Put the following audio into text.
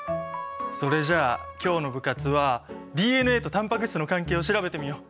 それじゃあ今日の部活はＤＮＡとタンパク質の関係を調べてみよう！